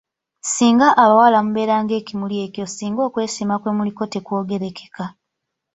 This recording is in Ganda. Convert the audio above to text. Ssinga abawala mubeera ng'ekimuli ekyo ssinga okwesiima kwe muliko tekwogerekeka.